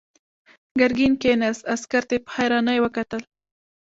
ګرګين کېناست، عسکر ته يې په حيرانۍ وکتل.